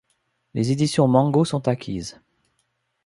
Les Éditions Mango sont acquises.